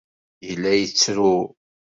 Yella yettru.